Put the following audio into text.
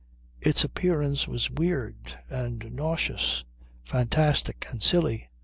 Its appearance was weird and nauseous, fantastic and silly.